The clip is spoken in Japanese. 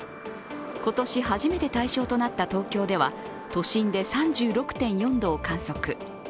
今年初めて対象となった東京では都心で３６．４度を観測。